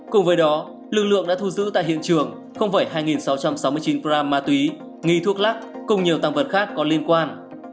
cùng với đó lực lượng đã thu giữ tại hiện trường hai sáu trăm sáu mươi chín gram ma túy nghi thuốc lắc cùng nhiều tăng vật khác có liên quan